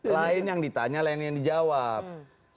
lain yang ditanya lain yang dijawab